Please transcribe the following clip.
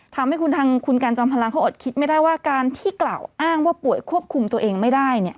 ทำให้คุณทางคุณกันจอมพลังเขาอดคิดไม่ได้ว่าการที่กล่าวอ้างว่าป่วยควบคุมตัวเองไม่ได้